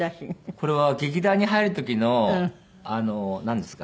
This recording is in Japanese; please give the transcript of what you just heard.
これは劇団に入る時のなんですか？